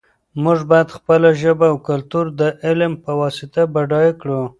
موږ باید خپله ژبه او کلتور د علم په واسطه بډایه کړو.